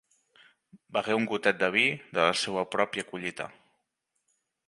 Begué un gotet de vi de la seua pròpia collita.